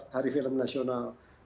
hari film nasional